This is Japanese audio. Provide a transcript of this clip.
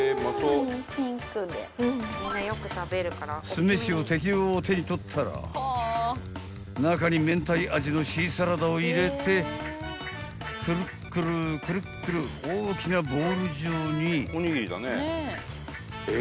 ［酢飯を適量手に取ったら中にめんたい味のシーサラダを入れてくるくるくるくる大きなボール状に］